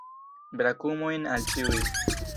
Brakumojn al ĉiuj!